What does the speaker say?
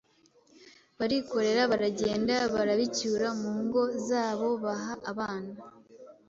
barikorera baragenda barabicyura mungo zabobaha abana